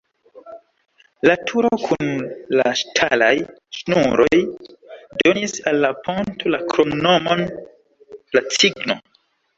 La turo kun la ŝtalaj ŝnuroj donis al la ponto la kromnomon "la cigno".